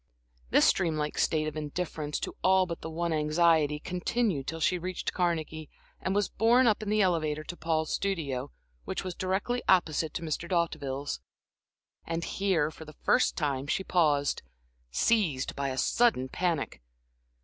This dream like state of indifference to all but the one anxiety continued till she reached Carnegie and was borne up in the elevator to Paul's studio, which was directly opposite to Mr. D'Hauteville's. And here, for the first time, she paused, seized by a sudden panic.